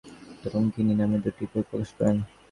তিনি মানস বিকাশ এবং দুঃখ তরঙ্গিনী নামে দুটি বই প্রকাশ করেন।